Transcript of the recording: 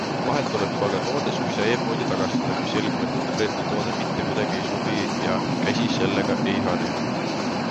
Vahel tuleb aga toode suisa e-poodi tagastada, kui selgub, et konkreetne toode mitte kuidagi ei sobi ja käsi sellega ei harju.